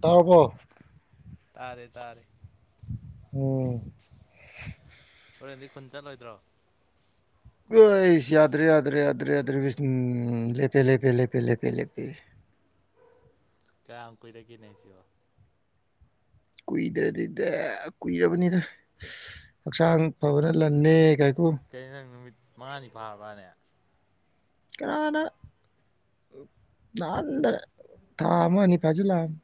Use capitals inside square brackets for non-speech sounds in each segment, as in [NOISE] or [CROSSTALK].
ꯇꯥꯔꯕꫭ ꯇꯥꯔꯦ ꯇꯥꯔꯦ ꯑꯩ꯫ ꯎꯝꯝ ꯍꯣꯔꯦꯟꯗꯤ ꯈꯨꯟꯗꯥ ꯆꯠꯂꯣꯏꯗ꯭ꯔꯣ ꯅꯪ ꯑꯁꯤ ꯌꯥꯗ꯭ꯔꯦ ꯌꯥꯗ꯭ꯔꯦ ꯌꯥꯗ꯭ꯔꯦ ꯌꯥꯗ꯭ꯔꯦ ꯏꯁ ꯂꯦꯄꯦ ꯂꯦꯄꯦ ꯂꯦꯄꯦ ꯂꯦꯄꯦ ꯂꯦꯄꯦ! ꯎ [INAUDIBLE] ꯀꯌꯥꯝ ꯀꯨꯏꯔꯒ°ꯅꯦꯁꯤꯕꯣ ꯀꯨꯏꯗ꯭ꯔꯤꯗ ꯀꯨꯏꯔꯕꯅꯤꯗ ꯍꯛꯆꯥꯡ ꯐꯕꯅ ꯂꯟꯅꯦ꯫ ꯀꯩꯅꫭ ꯅꯪ ꯅꯨꯃꯤꯠ ꯃꯉꯥꯅꯤ ꯐꯥꯔꯕ꯭ꯔꯥꯅꯦ? ꯑꯅ [UNINTELLIGIBLE] ꯅꯍꯥꯟ ꯅꯥ ꯊꯥ ꯑꯃꯥꯅꯤ ꯄꯖꯂꯛꯑꯕꯅꯤ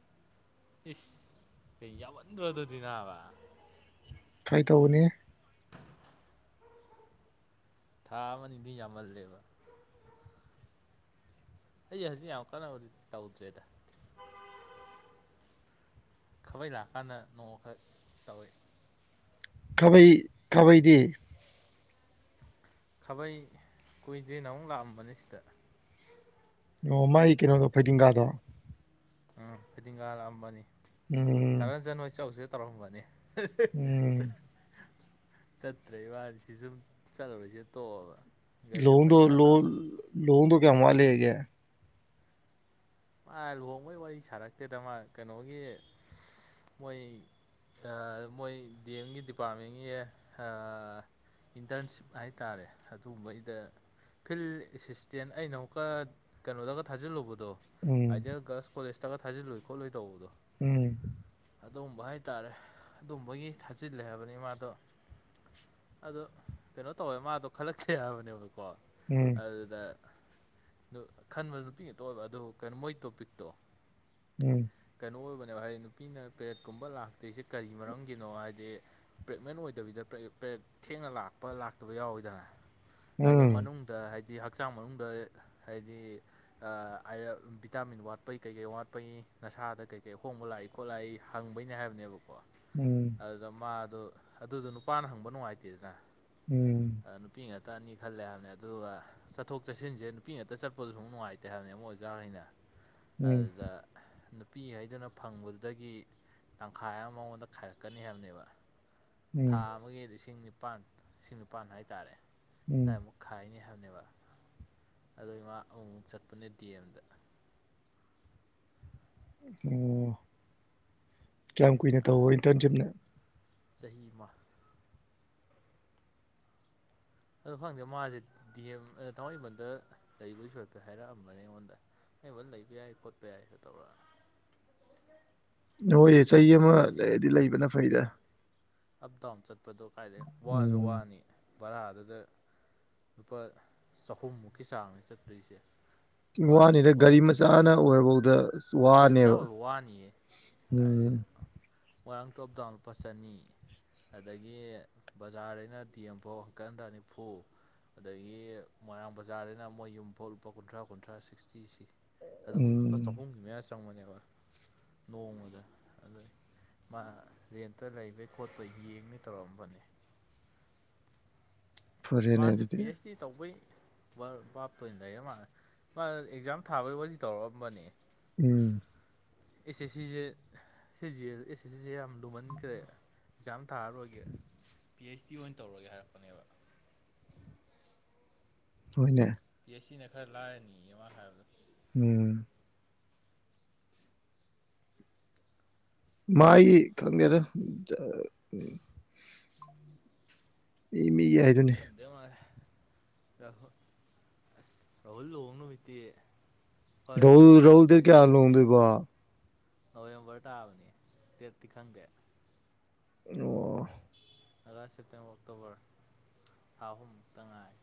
ꯏꯁ ꯌꯥꯃꯟ꯭ꯔꯣ ꯑꯗꯨꯗꯤ ꯅꯥꯕꯥ ꯐꯥꯒꯤ ꯇꯧꯕꯅꯦ ꯊꯥ ꯑꯃ ꯅꯤꯒꯤꯗꯤ ꯌꯥꯝꯃꯜꯂꯦꯕ ꯑꯩ ꯍꯧꯖꯤ ꯌꯥꯝ ꯀꯅꯥ ꯇꯥꯎꯗꯦꯗꯥ ꯈꯥꯕꯩ ꯂꯥꯛꯑꯀꯥꯟꯗ ꯅꯣꯡꯃꯈꯛ ꯇꯧꯏ ꯈꯕꯩ ꯈꯕꯩꯗꯤ ꯈꯥꯕꯩ ꯀꯨꯏꯗ꯭ꯔꯤ ꯅꯍꯥꯟ ꯃꯨꯛ ꯂꯥꯛꯑꯝꯕꯅꯤ ꯁꯤꯗ ꯑꯣꯑ ꯃꯥꯒꯤ ꯀꯩꯅꯣ ꯐꯩꯗꯤꯡꯒꯥꯗꯣ ꯎꯝ ꯐꯩꯗꯤꯡꯒꯥꯥ ꯔꯥꯛꯑꯝꯕꯅꯤ ꯎꯝ ꯊꯥꯔꯅꯖꯟ ꯔꫭꯏꯗ ꯆꯧꯁꯤꯗ ꯇꯧꯔꯝꯕꯅꯤ ꯎꯝꯝ ꯆꯠꯇ꯭ꯔꯩ ꯏꯕꯥꯅꯤ ꯁꯨꯝ ꯆꯠꯂꯨꯔꯁꯦ ꯇꯣꯛꯑꯥꯕ ꯂꯍꯣꯡꯗꫭ ꯂꯣ ꯂꯍꯣꯡꯗꯣ ꯀꯌꯥꯝ ꯋꯥꯔꯤ ꯍꯥꯏꯒꯦ ꯃꯥ ꯂꯨꯍꯣꯡꯕꯒꯤ ꯋꯥꯔꯤ ꯁꯥꯔꯛꯇꯦꯗ ꯃꯥ ꯀꯩꯅꯣꯒꯤ ꯃꯣꯏꯒꯤ ꯃꯣꯏ ꯒꯤ ꯗꯤ ꯑ°ꯝꯒꯤ ꯗꯄꯥꯔꯠꯃꯦꯟꯒꯤ ꯏꯟꯇꯔꯟꯁꯤꯞ ꯍꯥꯏ ꯇꯥꯔꯦ ꯑꯗꯨꯒꯨꯝꯕꯒꯤ ꯐꯤꯜ ꯑꯦꯁꯤꯁꯇꯦꯟ ꯑꯩꯅ ꯑꯃꯨꯛꯀꯥ ꯀꯩꯅꯣꯗꯒꯥ ꯊꯥꯖꯤꯜꯂꯨꯕꯗꯣ꯫ ꯎꯝ ꯑꯥꯏꯗꯤꯜ ꯒꯔꯜꯁ ꯀꯣꯂꯦꯖꯇꯒ ꯊꯥꯜꯂꯨꯏ ꯈꯣꯠꯂꯨꯏ ꯇꯧꯕꯗꯣ꯫ ꯎꯝꯝ ꯑꯗꯨꯒꯕ ꯍꯥꯏꯇꯥꯔꯦ ꯑꯗꯨꯝꯕꯒꯤ ꯊꯥꯖꯤꯂꯨꯏ ꯍꯥꯏꯕꯅꯤ ꯃꯥꯗꯣ ꯑꯗꯣ ꯀꯩꯅꯣ ꯇꯧꯋꯦ ꯃꯥꯗꯣ ꯈꯜꯂꯛꯇ° ꯍꯥꯏꯕꯅꯦꯕꯥ ꯀꯣ ꯎꯝ ꯑꯗꯨꯗ ꯈꯟꯕ ꯅꯨꯄꯤꯒꯩ ꯇꫭꯛꯍꯔꯒ ꯑꯗꯨꯒ ꯀꯩꯅꫭ ꯃꫭꯏ ꯇꯣ ꯄꯤꯛꯇꯣ ꯎꯝꯝ ꯀꯩꯅꯣ ꯑꯣꯏꯕꯅꯦꯕꯥ ꯍꯥꯏꯗꯤ ꯅꯨꯄꯤꯅ ꯄꯦꯔꯦꯠꯀꯨꯝꯕ ꯂꯥꯛꯇ꯭ꯔꯤꯁꯦ ꯀꯔꯤ ꯃꯔꯝꯒꯤꯅꯣ ꯍꯥꯏꯗꯤ ꯄ꯭ꯔꯦꯒꯅꯦꯟ ꯑꫭꯏꯗꯕꯤꯗ ꯊꯦꯡꯅ ꯂꯥꯛꯄ ꯂꯥꯛꯇꯕ ꯌꯥꯎꯋꯤꯗꯅ ꯑꯗꯣ ꯎꯝ ꯃꯅꯨꯡꯗ ꯍꯥꯏꯗꯤ ꯍꯛꯆꯥꯡ ꯍꯛꯆꯥꯡ ꯃꯅꯨꯡꯗ ꯍꯥꯏꯗꯤ ꯚꯤꯇꯥꯃꯤꯟ ꯋꯥꯠꯄꯩ ꯀꯩꯀꯩ ꯋꯥꯠꯄꯒꯤꯅꫭ ꯗꯨ ꯅꯁꯥꯗ ꯀꯩ ꯀꯩ ꯑꯍꯣꯡꯕ ꯂꯥꯛꯏ ꯈꯣꯠ ꯂꯥꯛꯏ ꯍꯪꯕꯩꯅꯦ ꯍꯥꯏꯕꯅꯦꯕꯀꯣ ꯎꯝ ꯑꯗꯨꯗ ꯃꯥ꯫ ꯑꯗꯣ ꯑꯗꯨꯗꯣ ꯅꯨꯄꯥꯅ ꯍꯪꯕ ꯅꯨꯡꯉꯥꯏꯇꯦꯗꯅꯥ꯫ ꯎꯝ ꯇꯅꯤ ꯈꯜꯂꯦ ꯍꯥꯏꯕꯅꯤ ꯑꯗꯨꯒ ꯆꯠꯊꯣꯛ ꯆꯠꯁꯤꯟꯁꯦ ꯅꯨꯄꯤ ꯉꯥꯛꯇ ꯆꯠꯄꯗꯁꯨ ꯁꯨꯝꯛ ꯅꯨꯡꯉꯥꯏꯇꯦ ꯍꯥꯏꯕꯅꯦ ꯑꯃꯨꯛ ꯑꯣꯖꯥꯈꯩꯅ ꯫ ꯎꯝ ꯑꯗꯨꯗꯥ ꯑꯍꯥꯝ ꯅꯨꯄꯤ ꯍꯥꯏꯗꯨꯅ ꯐꯪꯕꯗꯨꯗꯒꯤ ꯇꯪꯈꯥꯏ ꯑꯃ ꯃꯉꯣꯟꯗ ꯈꯥꯏꯔꯛꯀꯅꯤ ꯍꯥꯏꯕꯅꯦꯕꯥ ꯊꯥ ꯎꯝ ꯑꯃꯒꯤ ꯂꯤꯁꯤꯡ ꯅꯤꯄꯥꯜ ꯂꯤꯁꯤꯡ ꯅꯤꯄꯥꯜ ꯍꯥꯏꯇꯥꯔꯦ ꯎꯝ ꯑꯗꯨꯋꯥꯏ ꯃꯨꯛ ꯈꯥꯏꯅꯤ꯫ ꯍꯥꯏꯕꯅꯦꯕ ꯑꯗꯨ ꯏꯃꯥ ꯑꯃꯨꯛꯛ ꯆꯠꯄꯅꯤ ꯗꯤ ꯑꯦꯝꯗ ꯑꯣꯑꯣ ꯀꯌꯥꯝ ꯀꯨꯏꯅ ꯑꯗꯨ ꯇꯧꯕ ꯏꯟꯇꯔꯟꯁꯤꯞꯅꯣ꯫ ꯆꯍꯤ ꯑꯃ꯫ ꯑꯗ ꯐꯪꯗꯦ ꯃꯥꯁꯦ ꯗꯤ ꯑꯦꯝ ꯊꯥꯡꯃꯩꯕꯟꯗ ꯂꯩꯕꯗꯨ ꯁꯄ ꯍꯥꯏꯔꯛꯑꯝꯕꯅꯦ ꯑꯩꯉꯣꯟꯗ꯫ ꯑꯩ ꯍ ꯂꯩꯕ ꯌꯥꯏ ꯈꯣꯠꯄ ꯌꯥꯏꯁꯨ ꯇꯧꯔꯛꯑꯅꯤ ꯅꯣꯏ ꯆꯍꯤ ꯑꯃ ꯂꯩꯗꯤ ꯂꯩꯕꯅ ꯐꯩꯗ ꯑꯞ ꯗꯥꯎꯟ ꯆꯠꯄꯗꯣ ꯀꯥꯏꯗꯩ ꯋꯥꯁꯨ ꯎꯝ ꯋꯥꯅꯤ ꯚꯔꯥꯗꯨꯗ ꯂꯨꯄꯥ ꯆꯍꯨꯝꯃꯨꯛꯀꯤ ꯆꯥꯡꯅꯦ ꯆꯠꯇꯣꯏꯁꯦ ꯃꯣꯏꯔꯥꯡ ꯋꯥꯅꯤꯗ ꯒꯥꯔꯤ ꯃꯣꯏꯔꯥꯡ ꯃꯆꯥꯅ ꯑꯣꯏꯔꯐꯥꯎꯗ ꯀꯔꯤꯝꯆꯥ ꯑꯣꯏꯕ ꯋꯥꯅꯤꯌꯦ ꯀꯥꯏ ꯎꯝ ꯃꯣꯏꯔꯥꯡ ꯇꯣꯞ ꯗꯥꯎꯟ ꯂꯨꯄꯥ ꯆꯅꯤ ꯑꯗꯒꯤ ꯕꯖꯥꯔꯗꯩꯅ ꯇꯤ ꯑꯦꯝꯐꯥꯎ ꯍꯀꯗ ꯅꯤꯐꯨ ꯑꯗꯒꯤ ꯃꯣꯏꯔꯥꯡ ꯕꯖꯥꯔꯗꯅ ꯃꯣꯏ ꯌꯨꯝꯐꯥꯎ ꯂꯨꯄꯥ ꯀꯨꯟꯊ꯭ꯔꯥ ꯀꯨꯟꯊ꯭ꯔꯥ ꯁꯤꯛꯁꯇꯤ ꯁꯤ ꯑꯗꯨꯝ ꯂꯨꯄꯥ ꯎꯝ ꯆꯍꯨꯝꯒꯤ ꯃꯌꯥꯁꯤ [INAUDIBLE] ꯅꯣꯡꯃꯗ ꯑꯗꯨ ꯃꯥ ꯔꯦꯟꯇ ꯂꯩꯕꯩ ꯈꯣꯠꯄ ꯌꯦꯡꯅꯤ ꯇꯧꯔꯝꯕꯅꯦ [INAUDIBLE] ꯐꯔꯦꯅꯦ ꯃꯥꯁꯦ ꯑꯗꯨꯗꯤ ꯄꯤ ꯑꯩꯆ ꯗꯤ ꯇꯧꯕꯩ ꯄꯥꯞꯇꯣꯏꯅ ꯂꯩꯔ ꯃꯥꯜꯂꯦ ꯃꯥ ꯑꯦꯛꯖꯥꯝ ꯊꯥꯕꯒꯤ ꯋꯥꯔꯤꯗꯤ ꯇꯧꯔꯛꯑꯝꯕꯅꯦ ꯎꯝ ꯑꯦꯁꯦ ꯁꯤꯁꯦ ꯁꯤꯁꯦ ꯑꯦꯁ ꯑꯦ ꯁꯤꯁꯦ ꯌꯥꯝ ꯂꯨꯃꯟꯈ꯭ꯔꯦ ꯑꯦꯛꯖꯥꯝ ꯊꯥꯔꯔꯣꯏꯒꯦ ꯄꯤ ꯑꯩꯩꯆ ꯗꯤ ꯑꯣꯏꯅ ꯇꯧꯔꯒꯦ ꯍꯥꯏꯔꯛꯄꯅꯦꯕ ꯍꯅꯦ ꯄꯤ ꯑꯩꯆ ꯁꯤꯅ ꯈꯔ ꯂꯥꯏꯔꯅꯤꯌꯦꯃ ꯍꯥꯏꯕꯗ ꯎꯝ ꯃꯥꯒꯤ ꯈꯗꯦ ꯑꯗꯨ ꯏ ꯃꯤ ꯌꯥꯏꯗꯨꯅꯦ ꯔꯍꯨꯜ ꯑꯁ ꯔꯥꯍꯨꯜ ꯂꯍꯣꯡ ꯅꯨꯃꯤꯠꯇ ꯔꯍꯜ ꯔꯍꯜꯗ ꯀꯌꯥ ꯍꯜ ꯍꯗ ꯋꯥ ꯅꯣꯕꯦꯝꯕꯔ ꯇꯥꯕꯅꯤ ꯗꯦꯠꯇꯤ ꯈꯪꯗꯦ ꯑꯗꯨꯒ ꯑꯥꯒꯁ ꯁꯦꯞꯇꯦꯝꯕꯔ ꯑꯣꯛꯇꯣꯕꯔ ꯊꯥ ꯑꯍꯨꯝ ꯇ ꯉꯥꯏ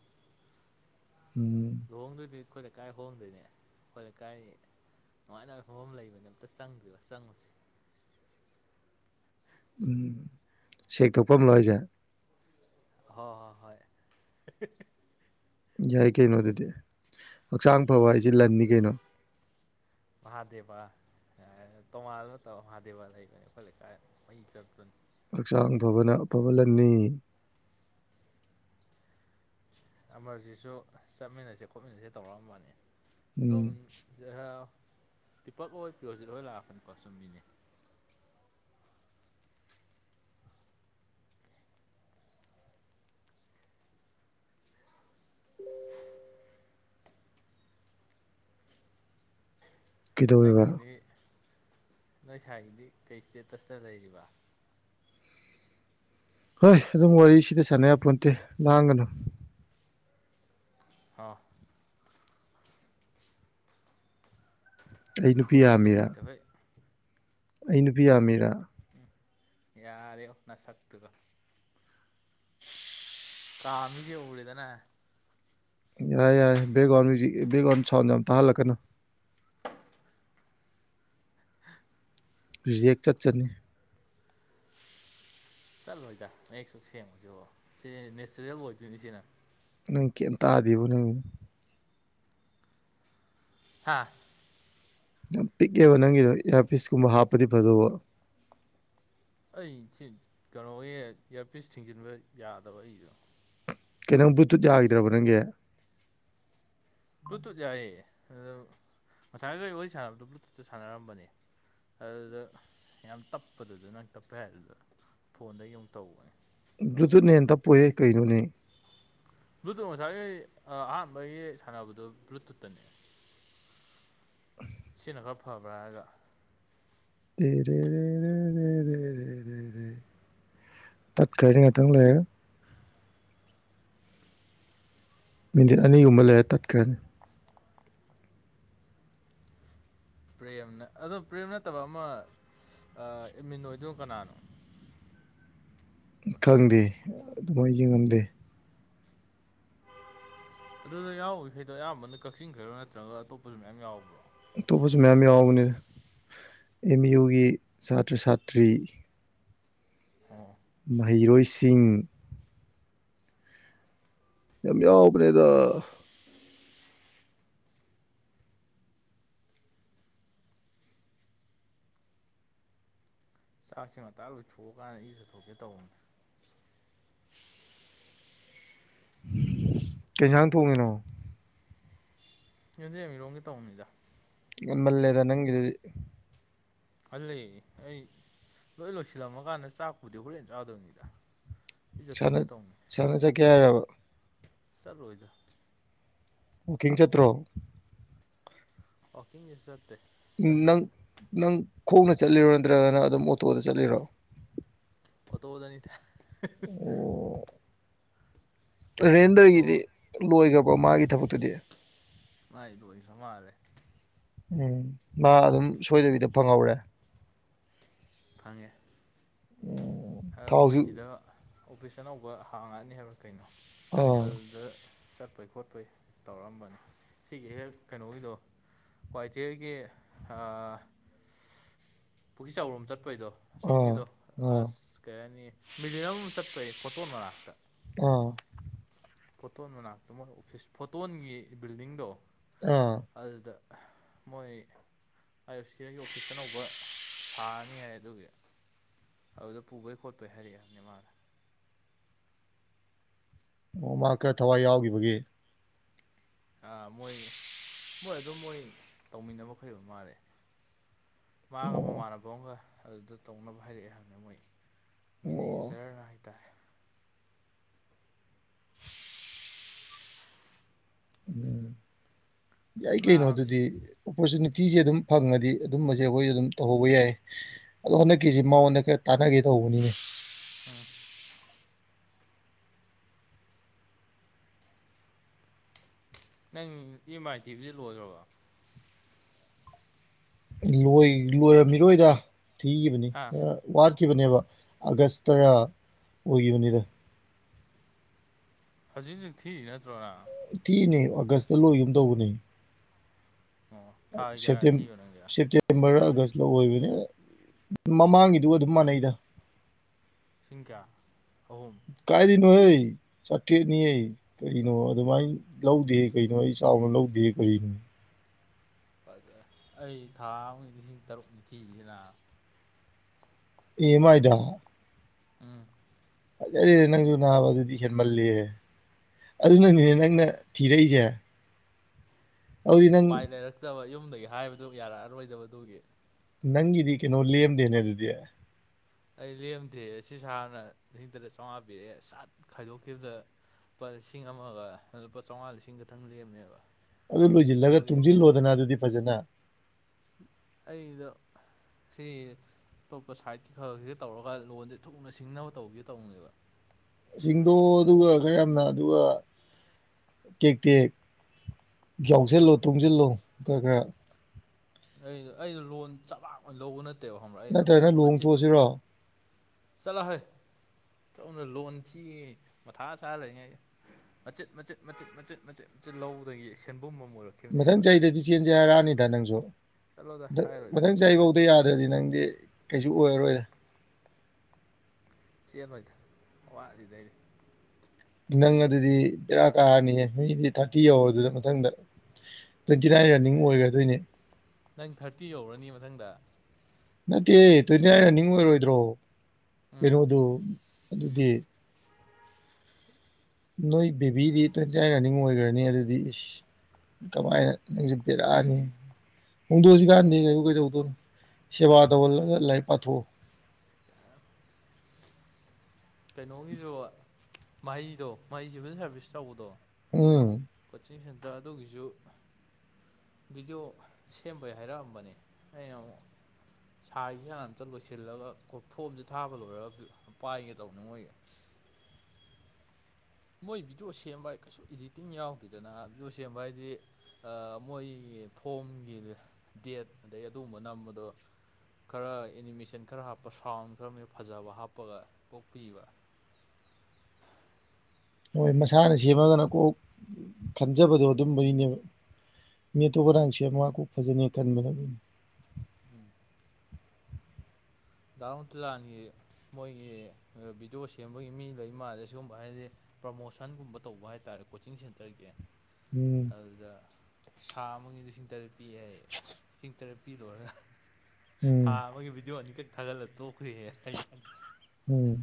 ꯎꯝ ꯂꯨꯍꯣꯡꯗꯣꯏꯗꯤ ꯑꯩꯈꯣꯏ ꯂꯩ ꯀꯥꯏ ꯍꯣꯡꯗꯣꯏꯅꯦ ꯑꯩꯈꯣꯏ ꯂꯩ ꯀꯥꯏ ꯅꯨꯡꯉꯥꯏ ꯉꯕ ꯃꯐꯝ ꯑꯃ ꯂꯩꯕꯅꯤ ꯑꯝꯇ ꯆꯪꯗ꯭ꯔꯤꯕ ꯆꯪꯉꯨꯁꯦ ꯎꯝ ꯁꯦꯛꯛꯇꯣꯛꯐꯝ ꯂꯣꯏꯁꯦ ꯍꯣꯏ ꯍꯣꯏ ꯍꯣꯏ ꯌꯥꯏ ꯀꯩꯅꯣꯗꯨꯗꯤ ꯍꯛꯆꯥꯡ ꯐꯕ ꯍꯥꯏꯁꯦ ꯂꯟꯅꯤ ꯀꯩꯅꯣ ꯃꯍꯥꯗꯦꯕ ꯌꯥ ꯇꯣꯉꯥꯜ ꯑꯃ ꯇꯧ ꯃꯍꯥꯗꯦꯕ ꯂꯩꯕꯅꯦ ꯑꯩꯈꯣꯏ ꯂꯩꯀꯥꯏ ꯃꯩ ꯆꯠꯇ꯭ꯔꯨꯅꯤ ꯍꯛꯆꯥꯡ ꯐꯕꯅ ꯑꯐꯕ ꯂꯟꯅꯤ ꯑꯃꯔꯖꯤꯁꯨ ꯆꯠꯃꯤꯟꯅꯁꯦ ꯈꯣꯠꯃꯤꯟꯅꯁꯦ ꯇꯧꯔꯛꯑꯝꯕꯅꯤ ꯎꯝ ꯑꯗꯨꯝ ꯌꯥꯍ ꯄꯤꯄꯛ ꯑꯣꯏ ꯄ꯭ꯔꯣꯖꯤꯠ ꯍꯣꯏ ꯂꯥꯛꯄꯅꯤꯀꯣ ꯁꯨꯝ ꯃꯤꯅꯦ ꯀꯩꯗꯧꯋꯦꯕ ꯅꯪꯒꯤꯗꯤ ꯅꯣꯏ ꯏꯁꯥꯒꯤꯗꯤ ꯀꯩ ꯏꯁꯇꯦꯇꯁꯇ ꯂꯩꯔꯤꯕ ꯍꯣꯏ ꯑꯗꯨꯝ ꯋꯥꯔꯤꯁꯤꯗ ꯁꯥꯟꯅꯅꯕꯄꯣꯟ ꯅꯠꯇꯦ ꯂꯥꯡꯒꯅꯨ ꯍ ꯑꯩ ꯅꯨꯄꯤ ꯐꯨꯔꯤꯠꯁꯦ ꯌꯥꯝꯃꯤꯔꯥ ꯂꯩꯇꯕꯩ ꯑꯩ ꯅꯨꯄꯤ ꯌꯥꯝꯃꯤꯔꯥ ꯌꯥꯔꯦ ꯑꯣꯅ ꯁꯛꯇꯨꯒ ꯀꯥꯃꯤꯁꯔ ꯎꯌꯦꯗꯅ ꯌꯥꯔꯦ ꯌꯥꯔꯦ ꯕꯦꯛꯒ꯭ꯔꯥꯎꯟ ꯕꯦꯛꯒ꯭ꯔꯥꯎꯟ ꯁꯥꯎꯟ ꯌꯥꯝ ꯇꯥꯍꯜꯂꯛꯀꯅꯨ ꯔꯤꯌꯦꯛ ꯆꯠꯆꯅꯤ ꯆꯠꯂꯣꯏꯗ ꯍꯦꯛ ꯁ ꯁꯦꯡꯉꯨꯁꯤ ꯑꯣ ꯁꯤ ꯅꯦꯆꯔꯦꯜ ꯑꯣꯏꯗꯣꯏꯅꯤ ꯁꯤꯅ ꯅꯪ ꯀꯦ ꯇꯥꯗꯦꯕ ꯅꯪ ꯍꯥꯥ ꯅꯪ ꯄꯤꯛꯑꯦꯕ ꯅꯪꯒꯤꯗꯣ ꯏꯌꯥꯔ ꯄꯤꯁꯀꯨꯝꯕ ꯍꯥꯞꯄꯗꯤ ꯐꯗ ꯑꯩ ꯀꯩꯅꯣꯒꯤ ꯏꯌꯥꯔꯄꯤꯁ ꯊꯤꯡꯖꯤꯟꯕ ꯌꯥꯗꯕ ꯑꯩꯗꯣ ꯀꯩꯅꯣ ꯕ꯭ꯂꯨꯇꯨꯠ ꯌꯥꯈꯤꯗ꯭ꯔꯕ ꯅꯪꯒꯤ ꯕ꯭ꯂꯨꯇꯨꯊ ꯌꯥꯑꯌꯦ [UNINTELLIGIBLE] ꯉꯁꯥꯏꯒ ꯋꯥꯔꯤ ꯁꯥꯟꯅꯕꯗ ꯕ꯭ꯂꯨꯇꯨꯠꯇ ꯁꯥꯟꯅꯔꯝꯕꯅꯤ ꯑꯗꯨꯗ ꯌꯥꯝ ꯇꯞꯄꯗꯨꯗ ꯅꯪ ꯇꯞꯄꯦ ꯍꯥꯏꯗꯨꯗ ꯐꯣꯟꯗꯒꯤ ꯑꯃꯨꯛ ꯇꯧꯕꯅꯤ ꯕ꯭ꯂꯨꯇꯨꯠꯅ ꯍꯦꯟ ꯇꯄꯣꯛꯑꯦ ꯀꯩꯅꯣꯅꯦ ꯕ꯭ꯂꯨꯇꯨꯠ ꯃꯁꯥꯏꯒꯤ ꯑꯍꯥꯟꯕꯒꯤ ꯁꯥꯟꯅꯕꯗꯨ ꯕ꯭ꯂꯨꯇꯨꯠꯇꯅꯦ ꯁꯤꯅ ꯈꯔ ꯐꯕ꯭ꯔꯥ ꯍꯥꯏꯒ ꯔꯦ ꯔꯦ ꯔꯦ ꯔꯦ ꯔꯦ ꯔꯦ ꯇꯠꯈꯔꯅꯤ ꯉꯥꯛꯇꯡ ꯂꯩꯔꯒ ꯃꯤꯅꯤꯠ ꯑꯅꯤꯒꯨꯝꯕ ꯂꯩꯔ ꯇꯠꯈ꯭ꯔꯅꯤ ꯄ꯭ꯔꯦꯝꯅ ꯑꯗꯣ ꯄ꯭ꯔꯦꯝ ꯅꯠꯇꯕ ꯑꯃ ꯏꯃꯤꯟ ꯑꯣꯏꯗꯣꯏꯅꯣ ꯀꯅꯥꯅꯣ [UNINTELLIGIBLE] ꯈꯪꯗꯦ ꯑꯗꯨꯃꯥꯏꯅ ꯌꯦꯡꯉꯝꯗꯦ ꯑꯗꯨꯗ ꯌꯥꯎꯋꯤ ꯐꯩꯗꯣ ꯑꯌꯥꯝꯕꯅ ꯀꯛꯆꯤꯡ ꯈꯔꯣ ꯅꯠꯇ꯭ꯔꯒ ꯑꯇꯣꯞꯄꯁꯨ ꯃꯌꯥꯝ ꯌꯥꯎꯕ꯭ꯔꯣ ꯑꯇꯣꯄꯁꯨ ꯃꯌꯥꯃ ꯌꯥꯎꯕꯅꯤꯗ ꯑꯦꯝ ꯌꯨꯒꯤ ꯁꯥꯇ꯭ꯔ ꯁꯥꯇ꯭ꯔꯤ ꯑꯣꯝ ꯃꯍꯩꯔꯣꯏꯁꯤꯡ ꯌꯥꯝ ꯌꯥꯎꯕꯅꯦꯗ ꯆꯥꯛꯁꯤ ꯉꯅꯇ ꯂꯣꯏꯊꯣꯛꯑ ꯀꯥꯟꯗ ꯏꯔꯨ ꯊꯣꯛꯣꯛꯀꯦ ꯇꯧꯕꯅꯦ ꯀꯩꯁꯥꯡ ꯊꯣꯡꯉꯤꯅꯣ ꯌꯣꯟꯗꯦꯝ ꯏꯔꯣꯝꯒꯤ ꯇꯧꯅꯤꯗ ꯉꯜꯃꯜꯂꯦꯗ ꯅꯪꯒꯤꯗꯨꯗꯤ ꯍꯜꯂꯛ ꯑꯩ ꯂꯣꯏ ꯂꯣꯏꯁꯤꯜꯂꯝꯃꯀꯥꯟꯗ ꯆꯥꯛꯄꯨꯗꯤ ꯍꯣꯔꯦꯟ ꯆꯥꯗꯧꯅꯤꯗ ꯏ ꯁꯥꯟꯅ ꯆꯠꯊꯣꯛꯀꯦ ꯆꯠꯀꯦ ꯍꯥꯏꯔꯕ ꯆꯠ ꯂꯣꯏꯗ ꯀꯡ ꯆꯠ꯭ꯔꯣ ꯋꯥꯀꯤꯡ ꯅꯪ ꯅꯪ ꯈꯣꯡꯅ ꯆꯠꯂꯤꯔꯣ ꯅꯠꯇ꯭ꯔꯒꯅ ꯑꯗꯨꯝ ꯑꯣꯇꯣꯗ ꯆꯠꯂꯤꯔꯣ ꯑꯣ ꯇꯣ ꯑꯣꯗꯅꯤꯗ ꯑꯣ ꯑꯣꯇꯣ ꯔꯦꯟꯗꯔꯒꯤꯗꯤ ꯂꯣꯏꯈ꯭ꯔꯕ ꯃꯥꯒꯤ ꯊꯕꯛꯇꯨꯗꯤ ꯃꯥꯏ ꯂꯣꯏꯕ ꯃꯥꯔꯦ ꯎꯝ ꯃꯥ ꯑꯗꯨꯝ ꯁꯣꯏꯗꯕꯤꯗ ꯐꯪꯍꯧꯔꯦ ꯐꯪꯉꯦ ꯎꯝ ꯊꯥꯎꯁꯨ ꯃꯣꯏꯁꯤꯗ ꯑꯣꯐꯤꯁ ꯑꯅꯧꯕ ꯍꯥꯡꯉꯛꯑꯅꯤ ꯍꯥꯏꯕ ꯀꯩꯅꯣ ꯑꯥ ꯑꯗꯨꯗ ꯆꯠꯄꯩ ꯈꯣꯠꯄꯩ ꯇꯧꯔꯛꯑꯝꯕꯅꯤ ꯁꯤꯒꯤ ꯍꯦꯛ ꯀꯩꯅꯣꯒꯤꯗꯣ ꯀ꯭ꯋꯥꯊꯤꯒꯤ ꯄꯨ꯭ꯔꯤ ꯆꯥꯎꯔꯣꯝ ꯆꯠ ꯆꯠꯄꯩꯗꯣ ꯑꯥ ꯁꯣꯝꯒꯤꯗꯣ ꯑꯥ ꯑꯁ ꯀꯩ ꯍꯥꯏꯅꯤ ꯃꯤꯂꯤꯅꯝ ꯑꯃ ꯆꯠꯄꯩ ꯐꯣꯇꯣ ꯃꯔꯅꯥꯛꯇ ꯑꯥ ꯐꯣꯇꯣꯟ ꯃꯅꯥꯛꯇ ꯃ ꯑꯣꯐꯤꯁ ꯐꯣꯇꯣꯟꯒꯤ ꯕꯤꯜꯗꯤꯡꯗꯣ ꯑꯥ ꯑꯗꯨꯗ ꯃꯣꯏ ꯑꯥꯏ ꯑꯦꯐ ꯁꯤ ꯑꯥꯏꯒꯤ ꯑꯣꯐꯤꯁꯇꯅꯧꯕ ꯐꯥꯅꯤ ꯍꯥꯏ ꯑꯗꯨꯒꯤ ꯑꯗꯨꯗ ꯄꯨꯕꯩ ꯈꯣꯠꯄꯩ ꯍꯥꯏꯔꯛꯑꯦꯕꯅꯤ ꯃꯥꯂꯦ ꯑꯣ ꯃꯥ ꯈꯔ ꯊꯋꯥꯏ ꯌꯥꯎꯈꯤꯕꯒꯦ ꯑꯥ ꯃꯣꯏ ꯃꯣꯏ ꯑꯗꯨꯝ ꯃꯣꯏ ꯇꯧꯃꯤꯟꯅꯕ ꯈꯣꯏꯕ ꯃꯥꯜꯂꯦ ꯃꯥꯒ ꯑꯣ ꯃꯃꯥꯟꯅꯕ ꯑꯃꯒ ꯑꯗꯨꯗ ꯇꯧꯅꯕ ꯍꯥꯏꯔꯛꯑꯦ ꯍꯪꯅ ꯃꯣꯏ ꯑꯣ ꯃꯤꯅꯦꯖꯔꯅ ꯍꯥꯏ ꯇꯔꯦ ꯎꯝ ꯌꯥꯏ ꯑꯁ ꯀꯩꯅꯣ ꯑꯗꯨꯗꯤ ꯅꯥꯕꯁꯤ ꯑꯣꯄꯣꯔꯆꯨꯅꯤꯇꯤ ꯎꯇꯤꯁꯦ ꯑꯗꯨꯝ ꯐꯪꯉꯗꯤ ꯑꯗꯨꯝꯕꯁꯦ ꯑꯩꯈꯣꯏꯁꯨ ꯑꯗꯨꯝ ꯇꯧꯍꯧꯕ ꯌꯥꯏ ꯑꯗꯣ ꯍꯟꯗꯛꯀꯤꯁꯦ ꯃꯥꯉꯣꯟꯗ ꯈꯔ ꯇꯥꯟꯅꯒꯦ ꯇꯧꯕ ꯅꯤꯅ ꯎꯝ ꯅꯪ ꯏꯦꯝ ꯑꯥꯏ ꯇꯤꯚꯗꯤ ꯂꯣꯏꯈ꯭ꯔꯕ ꯂꯣꯏꯔꯝꯃꯤꯔꯣꯏꯗ ꯊꯤꯈꯤꯕꯅꯤ ꯍꯥ ꯀꯛꯈꯤꯕꯅꯦꯕ ꯑꯥꯒꯁ ꯇꯔꯥ ꯑꯣꯏꯈꯤꯕꯅꯤꯗ ꯍꯧꯖꯤꯛ ꯍꯧꯖꯤꯛ ꯊꯤꯔꯤ ꯅꯠꯇ꯭ꯔꯣꯅ ꯊꯤꯅꯦ ꯑꯒꯁꯇ ꯂꯣꯏꯒ ꯑꯃ ꯇꯧꯕꯅꯦ ꯑꯣ ꯊꯥ ꯦꯇ ꯀꯌꯥ ꯊꯤꯕ ꯅꯪꯒꯤ ꯁꯦꯞꯇꯦꯝꯕꯔ ꯑꯥꯒꯁ ꯂ ꯑꯣꯏꯕꯅꯤ ꯃꯃꯥꯡꯒꯤꯗꯨꯒ ꯑꯗꯨꯝ ꯃꯥꯟꯅꯩꯗ ꯁꯤꯡꯀ꯭ꯌꯥ ꯑꯍꯨꯝ ꯀꯩꯅꯣ ꯑꯩ ꯆꯥꯇꯦꯠꯅꯤꯑ ꯀꯩꯅꯣ ꯑꯗꯨꯃꯥꯏꯅ ꯂꯧꯗꯦ ꯀꯩꯅꯣ ꯑꯩ ꯆꯥꯎꯅ ꯂꯧꯗꯦ ꯑꯣꯏꯔꯤꯅꯤ ꯐꯖꯦ ꯑꯩ ꯊꯥ ꯑꯃ ꯂꯤꯁꯤꯡ ꯇꯔꯨꯛ ꯅꯤꯊꯤꯁꯤꯅ ꯑꯦꯃꯥꯏꯗ ꯎꯝ ꯅꯥꯕ ꯑꯗꯨꯁꯟ ꯃꯜꯜꯂꯤꯦ ꯑꯗꯨꯅꯅꯤꯅꯦ ꯅꯪꯅ ꯊꯤꯔꯛꯏꯁꯦ ꯑꯗꯨꯗꯤ ꯅꯪ ꯎꯄꯥꯏ ꯂꯩꯔꯛꯇꯕ ꯌꯨꯝꯗꯒꯤ ꯍꯥꯏꯕꯗꯨ ꯌꯥꯔꯛꯑꯔꯣꯏꯗꯕꯗꯨꯒꯤ ꯅꯪꯗ ꯀꯦꯩꯅꯣ ꯂꯝꯗꯦꯅꯦ ꯑꯗꯨꯗꯦ ꯑꯩ ꯂꯦꯝꯗꯦ ꯑꯁꯤ ꯁꯥꯔꯅ ꯂꯤꯁꯤꯡ ꯇꯔꯥ ꯆꯥꯝꯃꯉꯥ ꯄꯤꯔꯛꯑꯦ ꯑ ꯁꯠ ꯈꯥꯏꯗꯣꯛꯈꯤꯕꯗ ꯂꯨꯄꯥ ꯂꯤꯁꯤꯡ ꯑꯃꯒ ꯂꯨꯄꯥ ꯆꯥꯝꯃꯉꯥ ꯂꯤꯁꯤꯡ ꯈꯛꯇꯪ ꯂꯦꯝꯃꯦꯕ ꯑꯗꯨ ꯂꯣꯏꯁꯤꯜꯂꯒ ꯑꯗꯨꯒꯤ ꯇꯨꯡꯁꯤꯜꯂꯣꯗꯅ ꯑꯗꯨꯗꯤ ꯐꯖꯅ ꯑꯩꯗꯣ ꯁꯤ ꯑꯇꯣꯞꯄ ꯁꯥꯏꯠꯀꯤ ꯈꯔꯁꯤꯒ ꯇꯧꯔꯒ ꯂꯣꯟꯁꯦ ꯊꯨꯅ ꯁꯤꯡꯅꯕ ꯇꯧꯒꯦ ꯇꯧꯅꯦꯕ ꯁꯤꯡꯗꯣ ꯑꯗꯨꯒ ꯈꯔ ꯌꯥꯝꯅ ꯑꯗꯨꯒ ꯀꯦꯛ ꯇꯦꯛ ꯌꯥꯎꯁꯜꯂꯣ ꯇꯨꯡꯁꯤꯜꯂꯣ ꯈꯔ ꯈꯔ ꯑꯩ ꯑꯩꯗ ꯂꯣꯟ ꯆꯕꯥꯛꯅ ꯂꯧꯕ ꯅꯠꯇꯦ ꯅꯠꯇ꯭ꯔꯒꯅ ꯂꯨꯍꯣꯡꯊꯣꯛꯑꯁꯤꯔꯣ ꯆꯠꯂ ꯍꯣꯏ ꯆꯅ ꯂꯣꯟ ꯊꯤ ꯃꯊꯥ ꯁꯥꯔ ꯂꯩꯔꯤꯉꯩꯁ ꯃꯆꯦꯠ ꯃꯆꯦꯠ ꯃꯆꯦꯠ ꯃꯆꯦꯠ ꯃꯆꯦꯠ ꯃꯆꯦꯠ ꯂꯧꯕꯗꯒꯤ ꯁꯦꯟꯕꯨꯝ ꯑꯃ ꯃꯊꯪ ꯑꯣꯏꯔꯛꯈꯤꯕꯅꯦꯕ ꯆꯍꯤꯗꯗꯤ ꯆꯦꯟꯁꯦ ꯍꯥꯏꯔꯛꯑꯅꯤꯗ ꯅꯪꯁꯨ ꯆꯠꯂꯣꯗ ꯍꯥꯏꯔꯣꯏꯗ ꯃꯊꯪ ꯆꯍꯤꯐꯧꯗ ꯌꯥꯗ꯭ꯔꯗꯤ ꯅꯪꯗꯤ ꯀꯩꯁꯨ ꯑꯣꯏꯔꯔꯣꯏꯗ ꯆꯦꯟꯕꯣꯏꯗ ꯋꯥꯠꯂꯤꯗꯩꯗꯤ ꯅꯪ ꯑꯗꯨꯗꯤ ꯕꯦꯔꯥ ꯀꯥꯔꯅꯤꯌꯦ ꯃꯤꯗꯤ ꯊꯥꯔꯇꯤ ꯌꯧ ꯑꯗꯨꯗ ꯃꯊꯪꯗ ꯇ꯭ꯋꯦꯟꯇꯤ ꯅꯥꯏꯟ ꯔꯟꯅꯤꯡ ꯑꯣꯏꯈ꯭ꯔꯗꯣꯏꯅꯦ ꯅꯪ ꯊꯥꯔꯇꯤ ꯌꯧꯔꯅꯤ ꯃꯊꯪꯗ ꯅꯠꯇꯦ ꯇ꯭ꯋꯦꯟꯇꯤ ꯅꯥꯏꯟ ꯔꯟꯅꯤꯡ ꯑꯣꯏꯔꯣꯏꯗ꯭ꯔꯣ ꯎꯝ ꯀꯩꯅꯣꯗꯨ ꯑꯗꯨꯗꯤ ꯅꯣꯏ ꯕꯦꯕꯤꯗꯤ ꯇ꯭ꯋꯦꯟꯇꯤ ꯅꯥꯏꯟ ꯔꯥꯅꯤꯡ ꯑꯣꯏꯈ꯭ꯔꯅꯤ ꯑꯗꯨꯗꯤ ꯏꯁ ꯀꯃꯥꯏ ꯄꯔꯥꯅꯤ ꯍꯣꯡꯗꯣꯛꯑꯁꯤ ꯀꯥꯟꯥꯟꯗꯦ ꯀꯩ ꯀꯩꯗꯧꯗꯣꯏꯅꯣ ꯁꯦꯕꯥ ꯇꯧꯍꯜꯂꯒ ꯂꯥꯏꯔꯤꯛ ꯄꯥꯊꯣꯛꯑꯣ ꯀꯩꯅꯣꯒꯤꯁꯨ ꯃꯍꯩꯗꯣ ꯃꯍꯩꯁꯤꯕꯨ ꯁꯥꯔꯚꯤꯁ ꯇꯧꯕꯗꯣ ꯎꯝ ꯇꯤꯡ ꯁꯟꯇ ꯑꯗꯨꯒꯤꯁꯨ ꯚꯤꯗꯤꯑꯣ ꯁꯦꯝꯕꯩ ꯍꯥꯏꯔꯛꯑꯝꯕꯅꯦ ꯑꯩꯅ ꯑꯃꯨꯛ ꯁꯥꯒꯤꯁꯤ ꯑꯝꯇ ꯂꯣꯏꯁꯤꯜꯂꯒ ꯐꯣꯝꯁꯦ ꯊꯥꯕ ꯂꯣꯏꯔꯒ ꯄꯥꯏ ꯂꯥꯎꯅꯉꯏ ꯃꯣꯏ ꯚꯤꯗꯤꯑꯣ ꯁꯦꯝꯕ ꯀꯩꯁꯨ ꯏꯗꯤꯇꯤꯡ ꯌꯥꯎꯗꯣꯏꯗꯅ ꯚꯤꯗꯤꯑꯣ ꯁꯦꯝꯕ ꯍꯥꯏꯗꯤ ꯃꯣꯏ ꯐꯣꯝꯒꯤ ꯗꯦꯠ ꯑꯗꯩ ꯑꯗꯨꯒꯨꯝꯕ ꯅꯝꯕꯗꯣ ꯈꯔ ꯑꯦꯅꯤꯃꯦꯁꯟ ꯈꯔ ꯍꯥꯞꯄ ꯁꯥꯎꯟ ꯈꯔꯅ ꯐꯖꯕ ꯍꯥꯞꯄꯒ ꯀꯣꯛꯄꯤꯕ [INAUDIBLE] ꯍꯣꯏ ꯃꯁꯥꯅ ꯁꯦꯝꯃꯒꯅ ꯀꯣꯛ ꯈꯟꯖꯕꯗꯣ ꯑꯗꯨꯝꯕꯒꯤꯅꯦꯕ ꯃꯤꯇꯣ ꯉꯔꯥꯡꯁꯦ ꯃꯥꯀ ꯐꯖꯅꯤ ꯀꯟꯕꯔꯅꯤ ꯎꯝ ꯗꯥꯎꯟ ꯇꯨ ꯂꯥꯟꯒꯤ ꯃꯣꯏꯒꯤ ꯚꯤꯗꯤꯑꯣ ꯁꯦꯝꯕꯒꯤ ꯃꯤ ꯂꯩ ꯃꯥꯜꯂꯦ ꯁꯤꯒꯨꯝꯕ ꯍꯥꯏꯔꯗꯤ ꯄ꯭ꯔꯃꯣꯁꯟꯒꯨꯝꯕ ꯇꯧꯕ ꯍꯥꯏꯇꯥꯔꯦ ꯀꯣꯆꯤꯡ ꯁꯦꯟꯇꯔꯒꯤ ꯎꯝ ꯑꯗꯨꯗ ꯊꯥ ꯑꯃꯒꯤꯗꯤ ꯂꯤꯁꯤꯡ ꯇꯔꯦꯠ ꯄꯤ ꯌꯥ ꯂꯤꯁꯤꯡ ꯇꯔꯦꯠ ꯍꯥꯄꯤ ꯂꯣꯏꯔꯒ ꯎꯝ ꯊꯥ ꯑꯃꯒꯤ ꯚꯤꯗꯤꯑꯣ ꯑꯅꯤꯈꯛ ꯊꯥꯒꯠꯂꯛꯇꯣ ꯀꯨꯏꯦ ꯍꯥꯏ ꯎꯝ